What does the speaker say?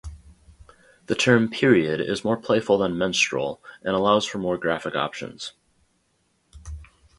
The term "period" is more playful than "menstrual," and allows for more graphic options.